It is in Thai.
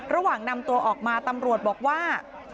ระหว่างนำตัวออกมาตำรวจบอกว่า